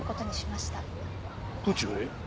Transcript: どちらへ？